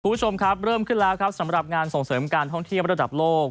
คุณผู้ชมครับเริ่มขึ้นแล้วครับสำหรับงานส่งเสริมการท่องเที่ยวระดับโลก